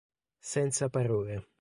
Senza parole